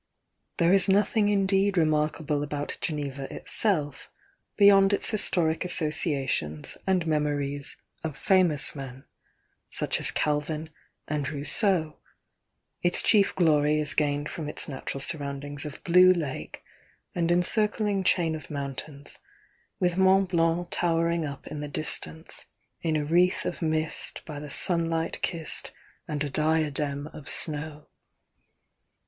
There is nothing indeed remarkable about Geneva itself beyond its historic associations and memories of famous men, such as Calvin and Rousseau;— its chief glory is gained from its natural surroundings of blue lake and encircling chain of mountains, with Mont Blanc towering up in the distance, "In a wreath of mist. By the sunlight kiss'd, And a diadem of snow.